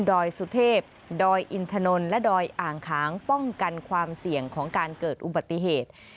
อยสุเทพดอยอินถนนและดอยอ่างขางป้องกันความเสี่ยงของการเกิดอุบัติเหตุ